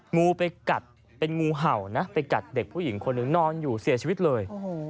งูไปกัดเป็นงูเห่านะไปกัดเด็กผู้หญิงคนหนึ่งนอนอยู่เสียชีวิตเลย